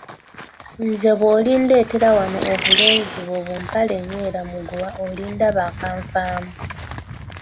Nze bw'olindeetera wano obulenzi bwo bu mpale enywera muguwa olindaba akanfaamu.